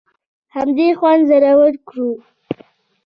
همدې خوند زړور کړو.